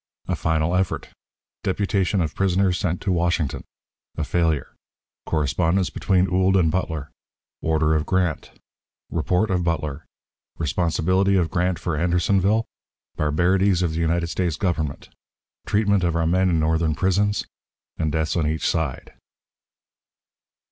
A Final Effort. Deputation of Prisoners sent to Washington. A Failure. Correspondence between Ould and Butler. Order of Grant. Report of Butler. Responsibility of Grant for Andersonville. Barbarities of the United States Government. Treatment of our Men in Northern Prisons. Deaths on Each Side.